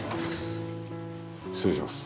失礼します。